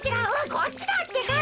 こっちだってか！